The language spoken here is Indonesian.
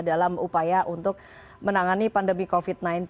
dalam upaya untuk menangani pandemi covid sembilan belas